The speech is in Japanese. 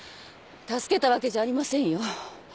助けたわけじゃありませんよ。